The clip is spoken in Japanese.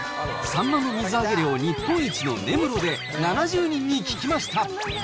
サンマの水揚げ量日本一の根室で、７０人に聞きました。